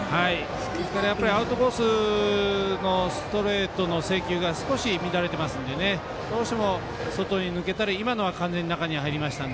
アウトコースのストレートの制球が少し乱れてますのでどうしても、外に抜けたり今のは完全に中に入りましたね。